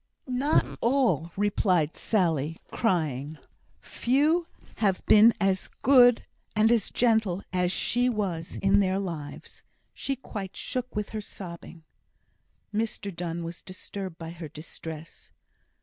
"Not all," replied Sally, crying. "Few has been as good and as gentle as she was in their lives." She quite shook with her sobbing. Mr Donne was disturbed by her distress.